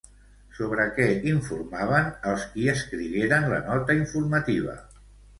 Sobre què informaven els qui escrigueren la nota informativa?